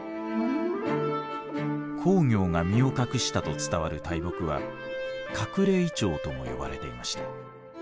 公暁が身を隠したと伝わる大木は隠れ銀杏とも呼ばれていました。